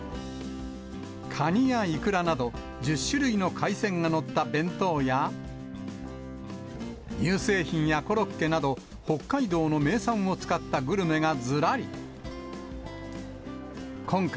カニやイクラなど、１０種類の海鮮が載った弁当や、乳製品やコロッケなど、北海道の名産を使ったグルメがずらり。